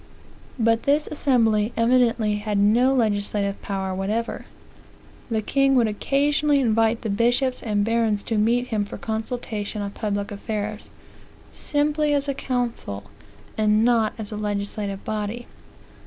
But this assembly evidently had no legislative power , whatever. The king would occasionally invite the bishops and barons to meet him for consultation on public affairs, simply as a council, and not as a legislative body.